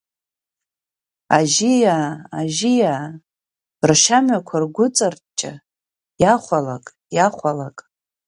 Ажьиаа, Ажьиаа, ршьамҩақәа ргәыҵарҷҷа, иахәалак, иахәалак…